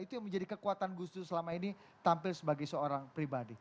itu yang menjadi kekuatan gus dur selama ini tampil sebagai seorang pribadi